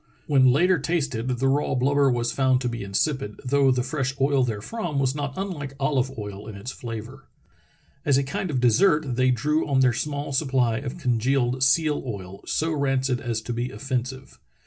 When later tasted the raw blubber was found to be insipid, though the fresh oil therefrom was not unlike olive oil in its flavor. As a kind of dessert they drew on their small supply of congealed seal oil, so rancid as to be offensive.